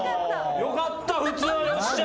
よかった普通よっしゃ！